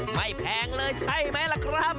แพงเลยใช่ไหมล่ะครับ